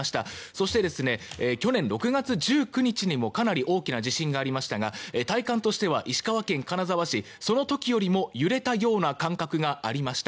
そして、去年６月１９日にもかなり大きな地震がありましたが体感としてはその時よりも揺れたような感覚がありました。